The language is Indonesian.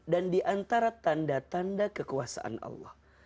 dan diantara tanda tanda kekuasaan allah